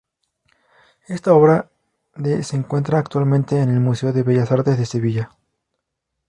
Esta obra de se encuentra actualmente en el Museo de Bellas Artes de Sevilla.